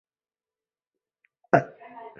在那里神女俄诺斯爱上了他。